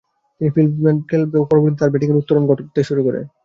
তিনি ফিল্ডসম্যান হিসেবে খেললেও পরবর্তীকালে তার ব্যাটিংয়ের উত্তরণ ঘটতে শুরু করে।